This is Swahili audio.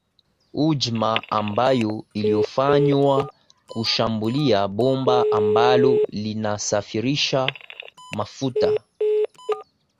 hujma ambayo iliofanywa kushambulia bomba ambalo linasafirisha mafuta